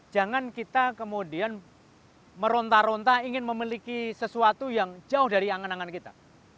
jangan kita kemudian meronta ronta ingin memiliki sesuatu yang jauh dari angan angan kita